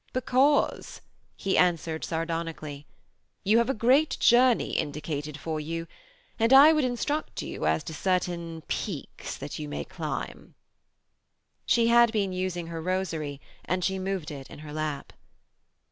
'Because,' he answered sardonically, 'you have a great journey indicated for you, and I would instruct you as to certain peaks that you may climb.' She had been using her rosary, and she moved it in her lap.